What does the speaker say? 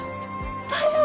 大丈夫？